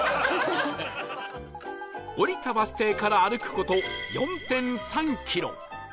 降りたバス停から歩く事 ４．３ キロ